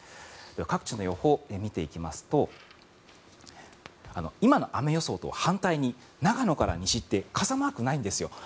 各地の予報を見ていきますと今の雨予想と反対に長野から西って傘マーク、ないんですよ。